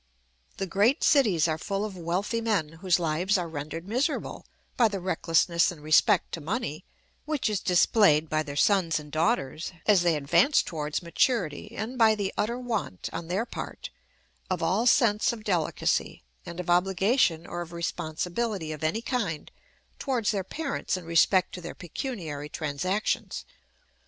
The great cities are full of wealthy men whose lives are rendered miserable by the recklessness in respect to money which is displayed by their sons and daughters as they advance towards maturity, and by the utter want, on their part, of all sense of delicacy, and of obligation or of responsibility of any kind towards their parents in respect to their pecuniary transactions.